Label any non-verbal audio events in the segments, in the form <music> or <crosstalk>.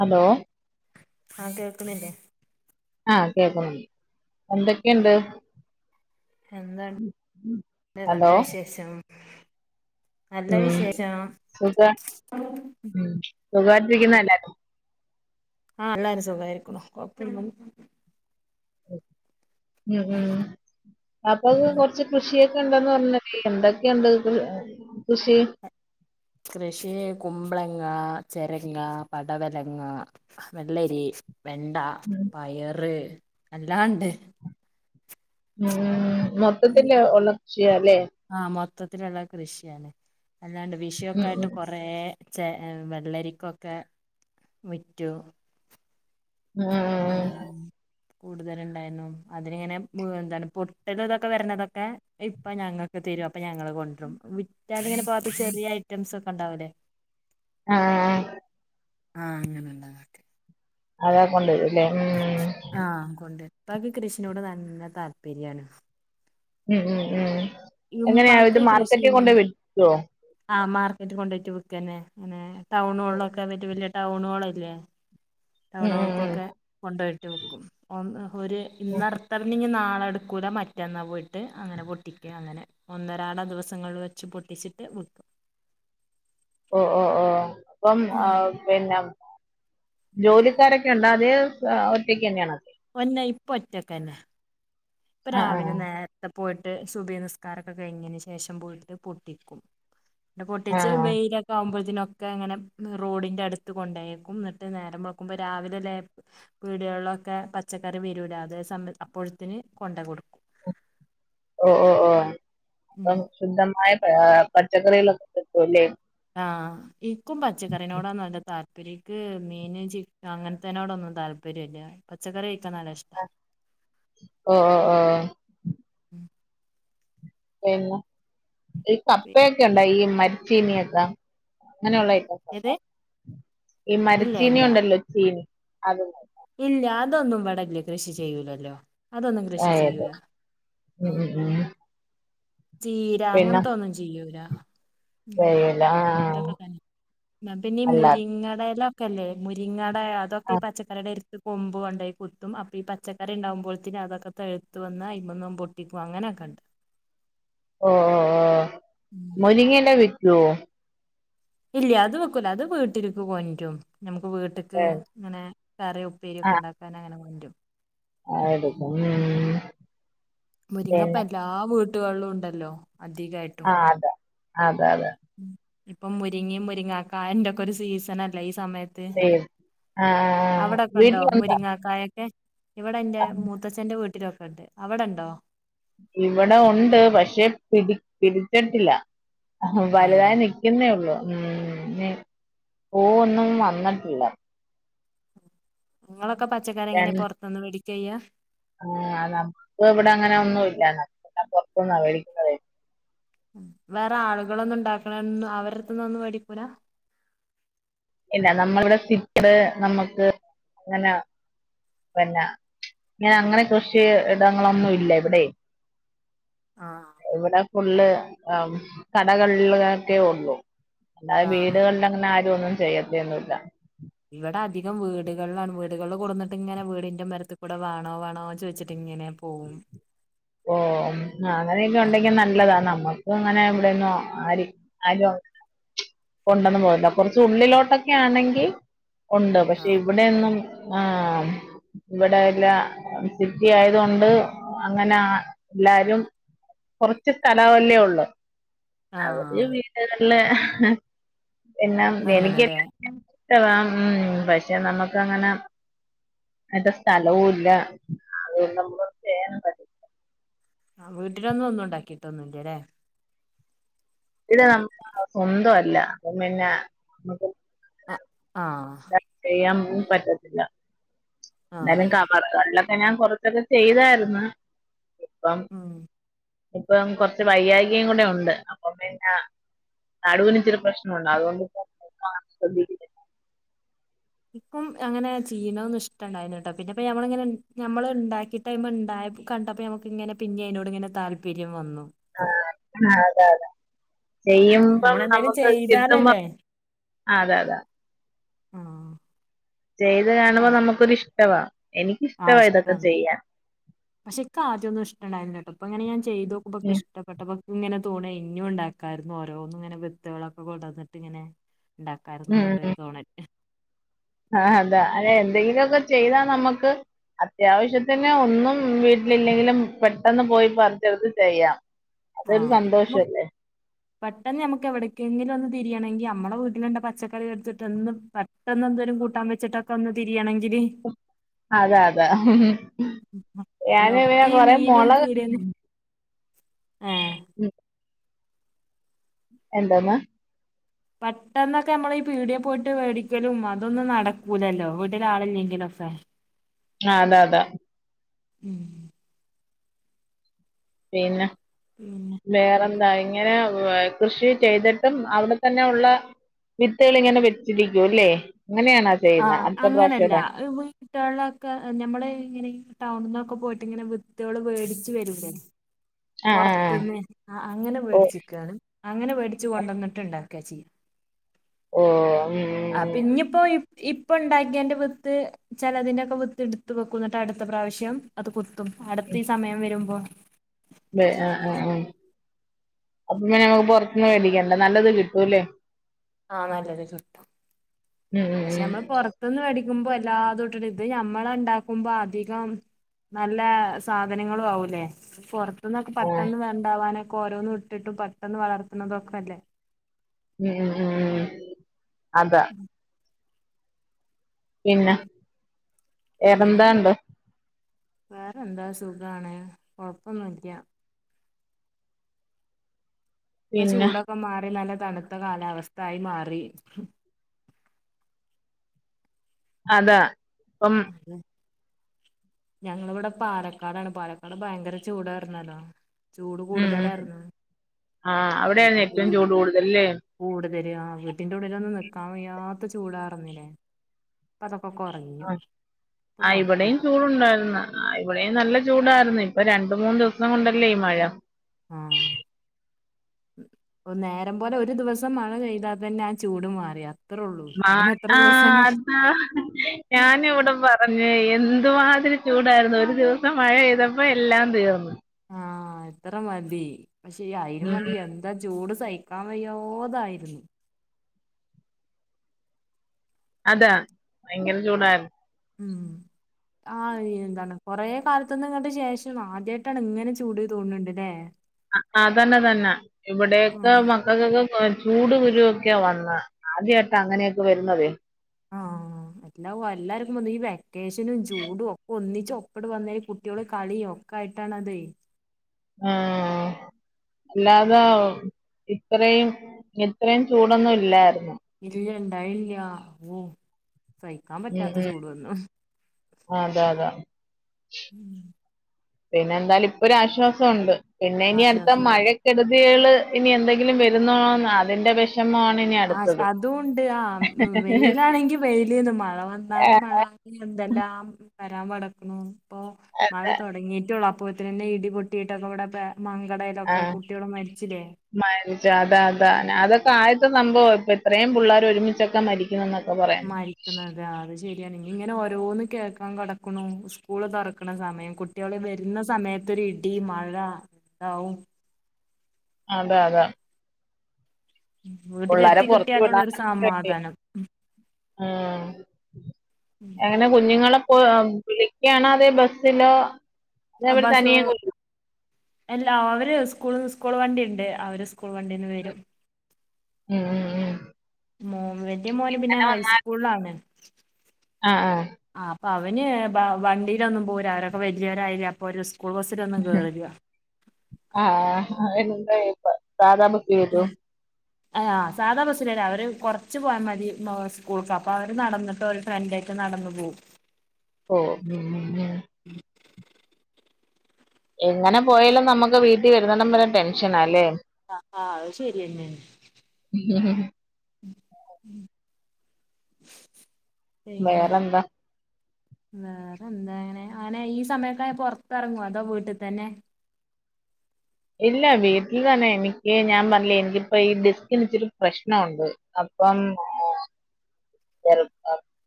Hello ആ കേൾക്കുന്നില്ലേ ആ കേക്കുന്നു എന്തൊക്കെയുണ്ട് എന്താണ് നല്ല ഹലോ വിശേഷം നല്ല ഉം വിശേഷം സുഖ ഉം സുഖാട്ടിരിക്കുന്നേ എല്ലാരും ആഹ എല്ലാരും സുഖമായിരിക്കുന്നു <unintelligible> <inaudible> ഉം <unintelligible> പിന്നെ കൊറച്ച് കൃഷിയ ണ്ടന്ന് പറഞ്ഞിട്ട് എന്തൊക്കെയുണ്ട് കൃഷി കൃഷി കുമ്പളങ്ങ ചിരങ്ങ പടവലങ്ങ വെള്ളരി വെണ്ട ഉം പയർ എല്ലാണ്ട് ഉം മൊത്തത്തിന്റെ ഒള്ള കൃഷിയാല്ലെ ത്തുള്ള കൃഷിയാണ് വിഷു യൊക്കെ ഉം ആയിട്ട് ഉം കൊറെ ചെ വെള്ളരിക്കൊക്കെ വിറ്റു ആഹ കൂടുതൽ ഉണ്ടായിരുന്നു അതിനിങ്ങനെ പൊട്ടലുംതൊക്കെ വരണത്തൊക്കെ ഇപ്പ ഞങ്ങൾക്ക് തരും വിറ്റ് പോവാത്ത ചെറിയ ഐറ്റം ഒക്കെ ആഹ ആഹ അങ്ങനെണ്ടതൊക്കെ അതാ കൊണ്ടുവരുംല്ലേ ഉം ആഹ കൊണ്ട്വരും ഉപ്പക്ക് കൃഷിനോട് നന്ന താല്പര്യമാണ് ഉം ഉം ഉം എങ്ങനെയ ഇത് ഉമ്മാക്ക് മാർക്കറ്റിൽ കൊണ്ട വിക്കോ ആ മാർക്കറ്റ് കൊണ്ടോട്ട് വെക്കന്നെ അങ്ങനെ ടൗണുകളൊക്കെ വിറ്റ് വല്യ ടൗൺ ഹോളില്ലേ ഉം ഉം ഉം ടൗണുകൾക്കൊക്കെ കൊണ്ടേയിട്ട് വിക്കും. ഒന്ന് ഒരു ഉം. ഇന്ന് അർത്ത നാളെ എടുക്കൂല മറ്റന്നാ പോയിട്ട് അങ്ങനെ പൊട്ടിക്കും അങ്ങനെ ഒന്നരാട ദിവസങ്ങളിൽ വെച്ച് പൊട്ടിച്ചിട്ട് വിക്കും ഓ ഓ ഓ ഇപ്പം ആ പിന്നെ ജോലിക്കാരൊക്കെ ഉണ്ടോ അതേ ഒറ്റക്കന്നേണോ പൊന്നെ ഇപ്പ ഒറ്റക്കന്നേ. ഇപ്പൊ ആ ആ രാവിലെ നേര്ത്തെ പോയിട്ട് സുബഹി നിസ്കാരൊക്കെ കഴിഞ്ഞിന് ശേഷം പോയിട്ട് പൊട്ടിക്കും. എന്റെ ആ പൊട്ടിച്ച് വെയിലൊക്കെ ആകുമ്പോ ഇതിനൊക്കെ അങ്ങനെ റോഡിൻ്റെ അടുത്ത് കൊണ്ടായേക്കും എന്നിട്ട് നേരം വെളുക്കുമ്പോൾ രാവിലെല്ലേ പീടികളിലൊക്കെ പച്ചക്കറി വരൂലേ അതേ സമയം അപ്പോഴത്തിന് കൊണ്ടയ് കൊടുക്കും. ഓ ഓ ഓ ഉം ശുദ്ധ മായ ആ പച്ചക്കറികളൊക്കെ കൂട്ടി ആ ഇൻക്കും പച്ചക്കറിനോടാ നല്ല താല്പര്യം ഇക്ക് മീന് ചിക് അങ്ങൻത്തേനോടൊന്നും താല്പര്യംല്യ. പച്ചക്കറി കഴിക്കാൻ നല്ല ഇഷ്ടാ ഓ ഓ ഓ ഉം പിന്നെ ഈ പി കപ്പയൊക്കെ ഇണ്ട ഈ മരിച്ചീനിയൊക്കെ? അങ്ങനെയുള്ള <inaudible> ഐറ്റംസ് ഏത് ഈ ഇല്ല ഇല്ല മരച്ചീന ഉണ്ടല്ലോ ചീനി അതിണ്ടാവും. ഇല്ല അതൊന്നും ഇവ്ടെല്ല കൃഷി ചെയ്യൂല്ലല്ലോ. അതെല്ലേ ഉം ഉം ഉം. ചീരാ പിന്നെ അങ്ങനത്തെ ഒന്നും ചെയ്യൂല. ഉം ചെയ്യല ആ ഇതൊക്കെ തന്നെ പിന്നെ അല്ല മുരിങ്ങടെല ക്കല്ലേ മുരിങ്ങാ ടെ അതൊക്കെ ആ പച്ചക്കറിടെട് കൊമ്പു കൊണ്ടോയി കുത്തും അപ്പൊ ഈ പച്ചക്കറിണ്ടാകുമ്പോത്തിന് അതൊക്കെ തെഴുത്ത് വന്ന് അയിമന്നും പൊട്ടിക്കും അങ്ങനൊക്കെണ്ട് ഓ ഓ ഓ മുരിങ്ങേല ടുവോ ഇല്ല അത് വെക്കൂല അത് വീട്ടിൽക്ക്‌ കൊണ്ട്രും ഇപ്പ വീട്ട്ക്ക് ഏ, ങ്ങനെ കറീം ഉപ്പേര്യോക്കെ ണ്ടാക്കാനങ്ങനെ <unintelligible> മ് മുരിങ്ങപ്പ എല്ലാ വീട്ടി ടുകളിലും ണ്ടല്ലോ അധികായ്ട്ടും അത <unintelligible> അതെ ഇപ്പം മുരിങ്ങി മുരിങ്ങാക്കാന്റെക്കൊ രു സീസൺ അല്ലെ സമയത്ത് സേവ്. ആ അവിടെക്കെ ണ്ടോ വീട്ടിലുണ്ടോ മുരിങ്ങക്കായ ഇവിടെ ന്റെ ആ, മൂത്തച്ഛന്റെ വീട്ടിലൊക്കെ ണ്ട് അവിടെണ്ടോ? ഇവിടെ ഉണ്ട് പക്ഷെ പി പിടിച്ചിട്ടില്ല. അതെ വലുതായി നിൽക്കുന്നേ ഉള്ളൂ ഉം പൂവൊന്നും വന്നിട്ടില്ല ങ്ങള പച്ചക്കറി എങ്ങനെ രണ്ട് പുറത്തുന്ന് വേടി ചെയ്യ ആ നമുക്ക് ഇവിടെ അങ്ങനെ ഒന്നുംല്ല പുറത്തൂന്നാ മേടിക്കുന്നതെ വേറെ ആളുകളൊന്നു ണ്ടാക്കണംന്ന് അവരെടുത്ത്ന്നൊന്നും മേടിക്കൂല ഇല്ല നമ്മള ഇവിടെ ത്തി നമ്മുക്ക് അങ്ങനെ പിന്നെ ഇങ്ങനെ അങ്ങനെ കൃഷി ഇടങ്ങളൊന്നും ഇല്ല ഇവിടെ ആഹ് ഇവിടെ ഫുള്ള്. ആ കടകൾലൊക്കെ ഒള്ളൂ അല്ലാതെ ആഹ് വീടുകളിൽ അങ്ങനെ ആരുമൊന്നും ചെയ്യത്തൊന്ന്ല്ല വിടെ അധികം വീടുകൾലാണ് വീടുകൾ കൊടുന്നിട്ട് ങ്ങനെ വീടിന്റെമ്മരത്ത് കൂടെ വേണോ വേണോന്ന് ചോദിച്ചിട്ട്ങ്ങനെ ഓ അങ്ങനെയൊക്കെ ഒണ്ടെങ്കിൽ നല്ലതാ നമ്മൾക്ക് അത് അങ്ങനെ ഇവിടൊന്നും ആര് ആരും കൊണ്ടൊന്നുംപോകില്ല കൊർച്ച് ഉള്ളിലോട്ടൊക്കെ ആണെങ്കിൽ ഉണ്ട് പക്ഷെ ഇവിടെയന്നും ആഹ ഇവിടെ എല്ല സിറ്റി ആയത് കൊണ്ട് അങ്ങനെ എല്ലാരും കൊറച്ചു സ്ഥലം അല്ലെ ഉള്ളു അവരെ ആഹ് വീട്ട അല്ലെ എന്നാ എനിക്ക് അങ്ങനെല്ലേ ഇ ഉ പക്ഷെ നമക്ക് അങ്ങനെ അറ്റ സ്ഥലവും ഇല്ല അത നമ്മോ ചെയ്യാനും പറ്റില്ല ആ വീട്ടിലൊന്നും ഒന്നും ഉണ്ടാക്കിട്ടൊന്നും ഇല്ലാലെ ഇവിടെ നമ്മ സ്വന്ത അല്ല അപ്പ പിന്ന ആഹ ആഹ പറ്റത്തില്ല എല്ലാലും ആഹ് കാപ്പാ <unintelligible> ഞാൻ കൊറച്ചൊക്കെ ചെയ്തായിരുന്നു ഇപ്പം ഉം ഇപ്പം കുറച്ച് വൈയായികയും കൂടെ ഉണ്ട് അപ്പൊ പിന്നെ നടുവിന് ഇച്ചിരി പ്രശ്നമുണ്ട് അതു കൊണ്ടിപ്പ ശ്രദ്ധിക്കുന്നില്ല ഇപ്പം അങ്ങനെ ചെയ്യണ ഒന്നും ഇഷ്ടണ്ട അതിനോട്ട പിന്നെപ്പ ഞമ്മള ഇങ്ങനെ അങ്ങനെ ഇണ്ടായി കണ്ടപ്പോ ഞമ്മക് ഇങ്ങനെ പിന്നെ അതിനോട് ഇങ്ങനെ താല്പര്യം വന്നു ഇപ്പൊ ആഹ് ആഹ് അതെ ആഹ് ചെയ്യുമ്പം നമ്മളെന്തേലും നമുക്ക് കിട്ടുമ്പോ ചെയ്താലല്ലേ അതെ അതെ ആഹ്. ചെയ്ത് ഇപ്പൊ കാണുമ്പോൾ താല് നമുക്കൊരിഷ് ക്കവാ ആഹ് ഇഷ്ടാണ്.. പക്ഷെ ക്ക് ആദ്യംന്നും ഇഷ്ടണ്ടായ്രുന്നില്ലട്ടൊ. പ്പൊ ഇങ്ങനെ ഞാൻ ചെയ്തോ ക്കുമ്പൊക്ക് ഉം ഇഷ്ടപ്പെട്ട ബ ഇങ്ങനെ. തൂണെ ഇഞ്ഞുംണ്ടാക്കാര്ന്നു ഓരോന്നും ഇങ്ങനെ വിത്തക ളൊക്കെ കൊണ്ടന്ന്ട്ട് ഇങ്ങനെ. ഇണ്ടാക്കാരുന്നു ന്നുള്ളൊരു തോണ ൽ. ആഹ് അതാ അല്ലെ എന്തെങ്കിലൊക്കെ ചെയ്താ നമുക്ക് അത്യാവശ്യത്തിന് ഒന്നും വീട്ട്ല് ഇല്ലെങ്കിലും പെട്ടെന്ന് പോയി പറിച്ചെട്ത്തു ചെയ്യാം. ആഹ അതൊരു നമു സന്തോഷല്ലേ പെട്ടെന്ന് നമുക്ക് എവിടക്കെങ്കിലും ഒന്ന് തിരിയാണെങ്കി മ്മടെ വീട്ട്ല്ണ്ട പച്ചക്കറി എടുത്ത്ട്ടെന്നും പെട്ടന്ന് എന്തെലും കൂട്ടാൻ വെച്ച്ട്ടൊക്കെ ഒന്ന് തിരിയാണെ അത അതാ പിന്നെ ഞാന് ഇങ്ങെ ഒക്കെ ഈ കൊറെ മീനും മൊളകൊക്കെ പീടിയേന്ന് ഏഹ് ഉം. എന്താന്നാ പെട്ടെന്നൊക്കെ നമ്മള ഈ പീടിയെ പോയിട്ട് വേടിക്കലും അതൊന്നും നടക്കൂലല്ലോ വീട്ടില് ആളില്ലെങ്കിലൊക്കെ. ആഹ് അതാ അതാ. ഉം. പിന്നെ. പിന്നെ വേറെന്തായി ഇങ്ങനെ കൃഷി ചെയ്തിട്ടും അവ്ടെ തന്നെ ഉള്ള വിത്തുകൾ ഇങ്ങനെ വെച്ചിരിക്കൂല്ലേ? ആ അങ്ങനെല്ല. വീട്ടൾക്കെ ഞമ്മള് ഇങ്ങനെ ടൗണ്ന്നൊ ക്കെ പോയിട്ടിങ്ങനെ വിത്തുകള് മേടിച്ച് വരൂലെ? ആ ആ ആ പൊറത്തുന്ന് ആ അങ്ങനെ ഓ മേടിച്ചിക്കാണ്. അങ്ങനെ മേടിച്ച് കൊണ്ടുവന്നിട്ട് ഇണ്ടാക്കാചെയ്യാ. ഓ ഉം ആ ഉം പ്പിഞ്ഞിപ്പോയി ഇപ്പ ഉണ്ടാക്കിയെന്റെ വിത്ത് ചിലതിന്റെക്കെ വിത്ത് എടുത്ത് വെക്കുന്നിട്ട് അടുത്ത പ്രാവശ്യം അത് കു ത്തും അടുത്ത ഈ സമയം വരുമ്പോ. ആഹ് ആഹ് ആഹ് അപ്പ പിന്നെ നമ്മുക്ക് പൊറത്തന്ന് മേടിക്കല്ല നല്ലത് കിട്ടൂല്ലേ? ആഹ് നല്ലത് കിട്ടും. ഉം ഉം പക്ഷെ ഉം നമ്മള് പൊറത്തിന്ന് മേടി ക്കുമ്പോ എല്ലാതു ഇട്ടിട്ട് ഇത് ഞമ്മൾ ഉണ്ടാക്കുമ്പോ അധികം നല്ല സാധനങ്ങളും ആവുല്ലേ പുറ ത്തുന്നൊക്കെ ആ പെട്ടെന്ന് വേണ്ടാവാനെ ക്കോരോന്നു ഇട്ടിട്ടും പെട്ടന്ന് വളർത്തണതൊക്കെ അല്ലേ? ഉം ഉം ഉം അതാ. പിന്ന പിന്നെ വേറെന്താണ്ട് വേറെ എന്താ സുഖാണ് കൊഴപ്പൊന്നുല്ല്യ ഇപ്പൊ പിന്നെ ചൂടൊക്കെ മാറി നല്ല തണുത്ത കാലാവസ്ഥ ആയി മാറി. അതാ. പ്പം അതെ. ഞങ്ങളിവിടെ പാലക്കാടാണ് പാലക്കാട് ഭയങ്കര ചൂടായിരുന്നല്ലോ. ചൂട് ഉം ഉം കൂടുതലായിരുന്നു ആഹ് അവിടെയാണ് ഏറ്റവും ചൂട് കൂടുതല്ല്ലേ ശരിയാ വീട്ടിന്റെ ഉള്ളിലൊന്നും നിക്കാൻ വയ്യാത്ത ചൂടാറിന്നില്ലേ പറ ആ ഇവിടെയും ചൂടുണ്ടായിരുന്നു ഇവിടെയും നല്ല ചു ചൂടായിരുന്നു ഇപ്പൊ രണ്ട് മൂന്ന് ദിവസം കൊണ്ടല്ലേ ഈ മഴ ആഹ് നേരം പോലെ ഒരു ദിവസം മഴ പെയ്താൽ തന്നെ ആ ചൂട് മാറിയ ആഹ് ആഹ് അതാ ഞാനിവിടെ പറഞ്ഞ പിന്ന എന്തുവാതിരി ചൂടായിരുന്നു ഒരു ദിവസം മഴെയ്തപ്പോ എല്ലാം തീർന്നു ആഹ് അത്ര മതി പക്ഷെ അയിനും ഉം വേണ്ടി ഉം എന്താ ചൂട് സഹിക്കാൻ വയ്യാതായിരുന്നു അതാ ഭയങ്കര ചൂടാരുന്ന് ഉം ആഹ് എന്താണ് കൊറേ കാലത്തുന്ന് ഇങ്ങട്ട് ശേഷം ആദ്യട്ടാണ് ഇങ്ങനെ ചൂട് തോന്നുന്നുണ്ട്ല്ലേ ആ തന്നെ തന്നെ ഇവിടേക്ക് ആഹ് മക്കക്കൊക്കെ ആ ചൂട് കുരുവൊക്കെയാ വന്നെ ആദ്യട്ടാ അങ്ങനെയൊക്കെ വരുന്നതേ ആഹ് ആഹ് എല്ലാവല്ലാർക്കും വന്ന് ഈ വെക്കേഷനും ചൂടും ഒക്കെ ഒന്നി ചൊപ്പ്ട് വന്നേ കുട്ടൊള് കളിയോ ഒക്കെ ആയിട്ടാണതെ ആഹ് അല്ലാതെ ഇത്രയും ഇത്രയും ചൂടൊന്നും ഇല്ലാരുന്നു ഇല്ലണ്ടായില്ല ഓ സഹിക്കാ ഉം പറ്റാത്ത ഉം ചൂട് വന്നു അതെ അതെ ഉം പിന്നെ എന്താലും ഇപ്പൊരു ആശ്വാസം ഒണ്ട് പിന്നെ ഇനി അടുത്ത ആശ്വാസായി മഴക്ക്ടു കുട്ടികേള് ഇനി എന്തെങ്കിലും വരുന്നോന്നാ അതിന്റെ വെഷ് ആശ് അതുണ്ട് ആഹ് വെയിലാണെങ്കി വെയില്ന്ന് മഴ വന്നാലും മഴ ഇനി എന്തെല്ലാം വരാൻ പെടക്ക്ണു ഇപ്പോ മഴ തുടങ്ങിട്ടേ ഉള്ള് ഇപ്പൊ തന്നെ ഇടി പൊട്ടിട്ട് അപകടൊപെ ആഹ് മരിച്ച് അതാ അതാ ന അതൊ ഇപ്പ ആദ്യത്തെ സംഭവാ ഇപ്പ ഇത്രേം പുള്ളാര് ഒരുമിച്ചൊക്കെ മരി മരിക്കുന്നത് ആ അത് ശരി. എനങ്ങിങ്ങനെ ഓരോന്ന് കേക്കാ കിടക്കണു ഉസ്കൂള് തുറക്കണ സമയം കുട്ടിയൊള് വരുന്ന സമയത്തൊരു ഇടി മഴ എന്താവും അതെ അതെ പിള്ളേരെ വീട്ടിലെത്തി പുറത്ത് കിട്ടിയാനുള്ളൊരു സമാധാനം ആഹ് ആഹ് ഉം. എങ്ങനെ കുഞ്ഞുങ്ങള് ഇപ്പ് വിളിക്കാണോ അതെ ബസ്സിലോ? അതേ അവര് അബ്ബാസ് തനിയെ കൊണ്ടു- എല്ലാ അവര് സ്കൂളിന്ന് സ്കൂ സ്കൂൾ വണ്ടി ണ്ട് അവര് സ് സ്കൂൾ വണ്ടീന്ന് വരും. മ് മ് മ് മോ മന്റെ മോന് പിന്നെ ഹൈസ്കൂളാണ്. ആഹ് ആഹ്. അപ്പം അവന് വണ്ടിയിലൊന്നും പോവൂല അവരൊക്കെ വലിയോരായില്ലേ അപ്പൊ ഒരുസം. സ്കൂൾ ബസിൽ ഒന്നും കേറില്ല. ആഹ് ആഹ് എന്തായിപ്പോ? സാധാ ബസ്സി വരും. ആഹ് സാധാ ബസ്സിലല്ല അവര് കൊറച്ചു പോയാമതി സ്കൂൾക്ക് അപ്പൊ അവര് നടന്നിട്ട് ഒരു ഫ്രണ്ടായിട്ട് നടന്നു പോവും. ഓ മ് മ് മ് എങ്ങനെ പോയാലും നമ്മുക്ക് വീട്ടി വരുന്നോണം വരെ ടെൻഷനാല്ലേ ആ ആ അത് ശെരിയെന്നേണ് <inaudible> പിന്നെ വേറെന്താ വേറെന്താങ്ങിനെ അങ്ങനെ ഈ സമയൊക്കെ പൊറത്തെർങൊ അതോ വീട്ട് തന്നെ ഇല്ല വീട്ടില് തന്നെ എനിക്ക് ഞാൻ പറഞ്ഞില്ലേ എനിക്കിപ്പോ ഈ ഡിസ്കിന് ഇച്ചിരി പ്രശ്നൊണ്ട് അപ്പം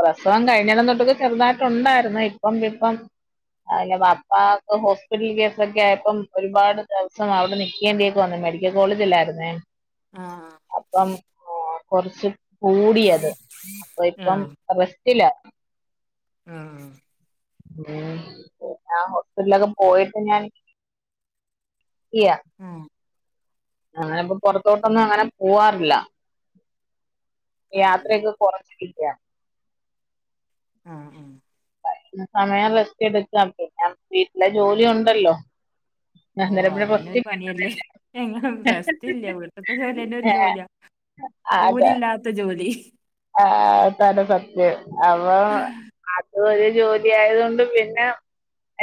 പ്രസവം കഴിഞ്ഞടം തൊട്ടൊക്കെ ചെറുതായിട്ടുണ്ടായിരുന്നു ഇപ്പം ഇപ്പം അല്ല പപ്പാക്ക് ഹോസ്പിറ്റൽ കേസൊക്കായപ്പം ഒരുപാട് ദെവസം അവിടെ നിക്കേണ്ടിയൊക്കെ വന്നു മെഡിക്കൽ കോളേജില്ലായിരുന്നേ ആ കൊർച്ച് കൂടിയത് അപ്പൊ ആ ഇപ്പം റെസ്റ്റില്ല ആ മ് പിന്നെ ആ ഹോസ്പിറ്റലൊക്കെ പോയിട്ട് ഞാൻ എത്തിയ ആ ഞാനിപ്പോ പുറത്തോട്ടൊന്നും അങ്ങനെ പോവാറില്ല അതെ യാത്രയൊക്കെ കുറച്ചടി യാ ആ ആ സമയം റെസ്റ്റ് എടുക്കാ പിന്നെ വീട്ടിലെ ജോലി ഉണ്ടല്ലോ ഓ അന്നേരം പിന്നെ അതന്നെ റെസ്റ്റ് ഒരു കിട്ടുന്നില്ല പണിയല്ലേ എങ്ങ <inaudible> റെസ്റ്റില്ല വീട്ടിത്തെ ജോലി തന്നെ ഒരു ജോലിയാ കൂലി ഇല്ലാത്ത ജോലി ആ തന്നെ സത്യം അപ്പം അതുമൊരു ജോലി ആയതുകൊണ്ട് പിന്നെ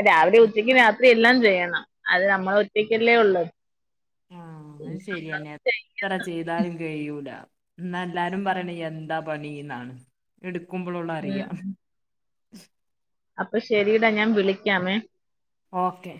രാവിലെ ഉച്ചക്ക് രാത്രി എല്ലാം ചെയ്യണം അത് നമ്മള് ഒറ്റക്കല്ലേ ഉള്ള് ആ അത് ശരിയെന്നെ എത്ര ചെയ്താലും കഴിയൂല്ല എന്ന എല്ലാരും പറയണേ എന്താ പണിന്നാണ് എടു ക്കുമ്പോളറിയാ <inaudible> അപ്പോ ശരിടാ ഞാൻ വിളിക്കാമേ ഓക്കെ